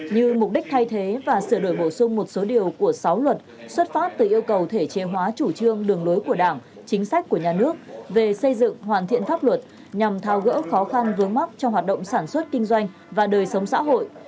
như mục đích thay thế và sửa đổi bổ sung một số điều của sáu luật xuất phát từ yêu cầu thể chế hóa chủ trương đường lối của đảng chính sách của nhà nước về xây dựng hoàn thiện pháp luật nhằm thao gỡ khó khăn vướng mắc cho hoạt động sản xuất kinh doanh và đời sống xã hội